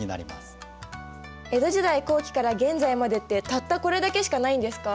江戸時代後期から現在までってたったこれだけしかないんですか？